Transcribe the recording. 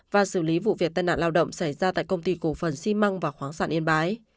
và xử lý vụ việc tai nạn lao động xảy ra tại công ty cổ phần xi măng và khoáng sản yên bái